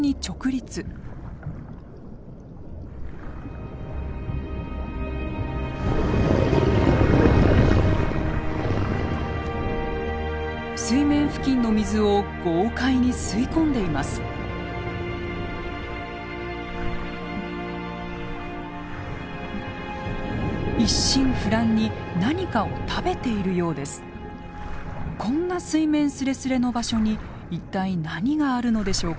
こんな水面すれすれの場所に一体何があるのでしょうか？